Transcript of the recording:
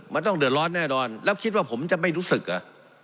มันต้องเดือดร้อนแน่นอนแล้วคิดว่าผมจะไม่รู้สึกอ่ะ